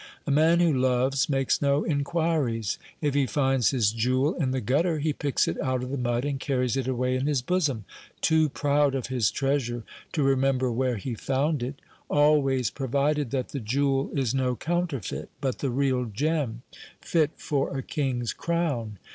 A man who loves makes no inquiries. If he finds his jewel in the gutter, he picks it out of the mud and carries it away in his bosom, too proud of his treasure to remember where he found it; always provided that the jewel is no counterfeit, but the real gem, fit for a king's crown.